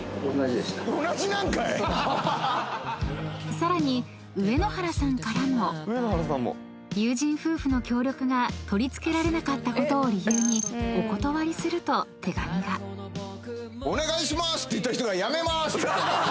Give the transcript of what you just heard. ［さらに上ノ原さんからも友人夫婦の協力が取りつけられなかったことを理由にお断りすると手紙が］って言った人が。